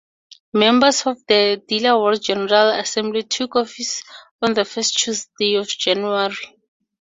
Members of the Delaware General Assembly took office on the first Tuesday of January.